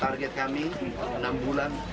target kami enam bulan